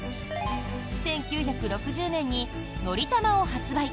１９６０年に「のりたま」を発売。